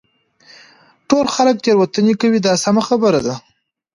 ټول خلک تېروتنې کوي دا سمه خبره ده.